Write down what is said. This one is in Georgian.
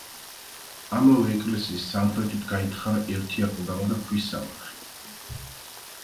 ამავე ეკლესიის სამხრეთით გაითხარა ერთი აკლდამა და ქვის სამარხი.